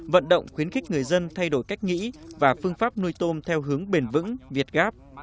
vận động khuyến khích người dân thay đổi cách nghĩ và phương pháp nuôi tôm theo hướng bền vững việt gáp